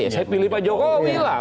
saya pilih pak jokowi lah